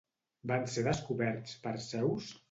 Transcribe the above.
Van ser descoberts per Zeus?